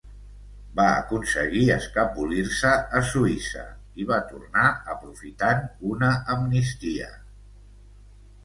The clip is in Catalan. Va aconseguir escapolir-se a Suïssa i va tornar aprofitant una amnistia.